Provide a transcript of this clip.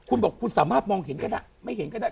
คุณบอกคุณสามารถมองเห็นก็ได้ไม่เห็นก็ได้